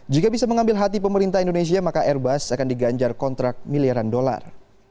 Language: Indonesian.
jika bisa mengambil hati pemerintah indonesia maka airbus akan diganjar kontrak miliaran dolar